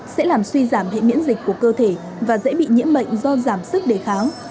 sẽ làm suy giảm hệ miễn dịch của cơ thể và dễ bị nhiễm bệnh do giảm sức đề kháng